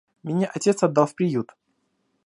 Меня отец отдал в приют.